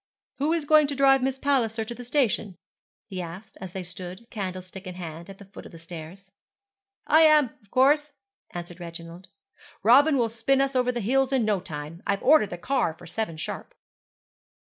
'Who is going to drive Miss Palliser to the station?' he asked, as they stood, candlestick in hand, at the foot of the stairs. 'I am, of course,' answered Reginald. 'Robin will spin us over the hills in no time. I've ordered the car for seven sharp.'